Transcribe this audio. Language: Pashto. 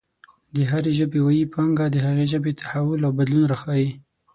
د هرې ژبې ویي پانګه د هغې ژبې تحول او بدلون راښايي.